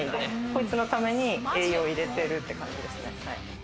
こいつのために栄養入れてるって感じですね。